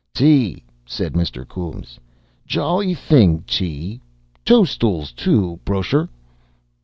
"Tea," said Mr. Coombes. "Jol' thing, tea. Tose stools, too. Brosher."